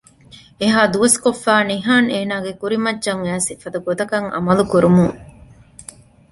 އެހާ ދުވަސްކޮށްފައި ނިހާން އޭނަގެ ކުރިމައްޗަށް އައިސް އެފަދަ ގޮތަކަށް އަމަލު ކުރުމުން